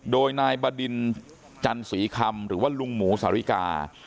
โดยนายบดินจันสีคำหรือว่าลุงหมูสาริกา